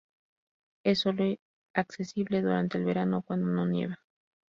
Es sólo accesible durante el verano, cuando no nieva.